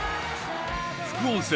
副音声